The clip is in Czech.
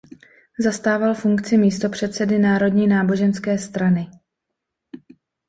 Zastával funkci místopředsedy Národní náboženské strany.